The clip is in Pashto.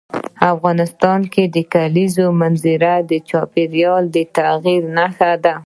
افغانستان کې د کلیزو منظره د چاپېریال د تغیر نښه ده.